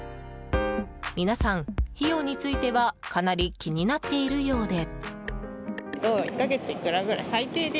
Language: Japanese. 皆さん、費用についてはかなり気になっているようで。